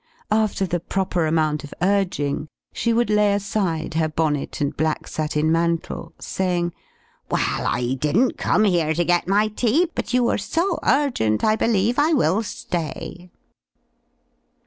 After the proper amount of urging, she would lay aside her bonnet and black satin mantle, saying, "Well, I didn't come here to get my tea, but you are so urgent, I believe I will stay."